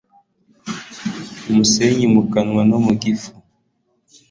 umusenyi mukanwa no mugifu